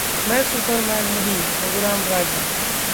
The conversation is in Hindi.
मैं सुपरमैन नहीं: रघुराम राजन